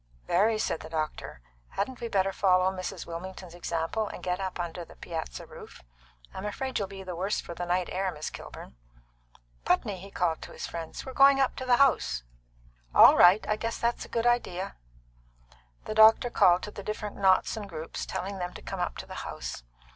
"Very," said the doctor. "Hadn't we better follow Mrs. Wilmington's example, and get up under the piazza roof? I'm afraid you'll be the worse for the night air, Miss Kilburn. Putney," he called to his friend, "we're going up to the house." "All right. I guess that's a good idea." The doctor called to the different knots and groups, telling them to come up to the house.